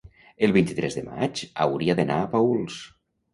el vint-i-tres de maig hauria d'anar a Paüls.